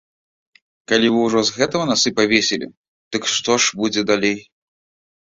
Калі вы ўжо з гэтага насы павесілі, дык што ж будзе далей?